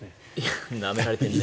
なめられてるね。